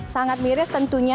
sangat miris tentunya